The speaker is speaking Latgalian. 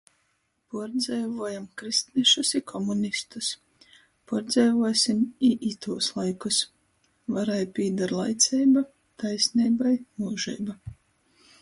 Puordzeivuojom krystnešus i komunistus, puordzeivuosim i itūs laikus. "Varai pīdar laiceiba, taisneibai - myužeiba!"...